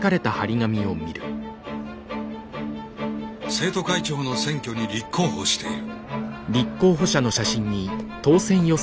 生徒会長の選挙に立候補している。